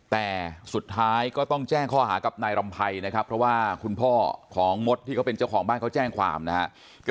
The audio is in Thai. แต่สุดท้ายก็ต้องแจ้งข้อหากับนายรำไพรนะครับเพราะว่าคุณพ่อของมดที่เขาเป็นเจ้าของบ้านเขาแจ้งความนะครับ